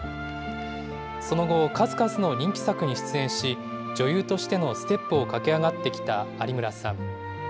その後、数々の人気作に出演し、女優としてのステップを駆け上がってきた有村さん。